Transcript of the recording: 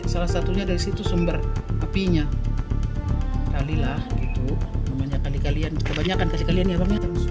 salah satunya dari situ sumber apinya kalilah itu kebanyakan di kalian kebanyakan kasih kalian ya